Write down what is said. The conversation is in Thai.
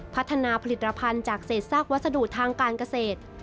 พัฒนาผลิตภัณฑ์จากเศษซากวัสดุทางการเกษตร